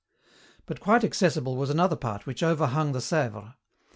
But quite accessible was another part which overhung the Sèvre.